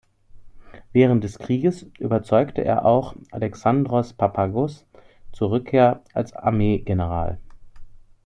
Während des Krieges überzeugte er auch Alexandros Papagos zur Rückkehr als Armeegeneral.